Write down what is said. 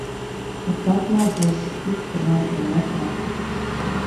Kas pats mēslos, tas citus pa mēsliem meklē.